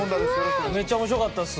めっちゃ面白かったです。